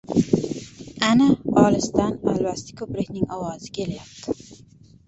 Ana, olisdan Alvasti ko‘prikning ovozi kelyapti.